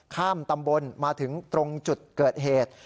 ข้ามตำบลมาถึงตรงจุดเกิดเหตุ